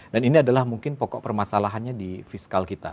dan ini adalah mungkin pokok permasalahannya di fiskal kita